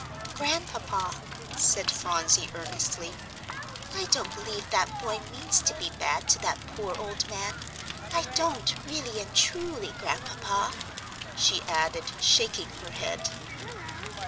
"Grandpapa," said Phronsie, earnestly, "I don't believe that boy means to be bad to that poor old man, I don't really and truly, Grandpapa," she added, shaking her head.